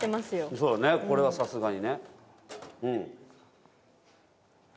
そうだねこれはさすがにね。